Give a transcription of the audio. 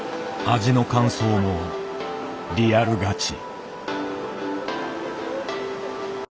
味の感想もリアルガチ。